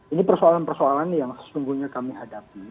ini persoalan persoalan yang sesungguhnya kami hadapi